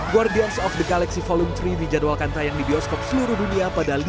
guardians of the galaxy vol tiga dijadwalkan tayang di bioskop seluruh dunia pada lima mei dua ribu dua puluh tiga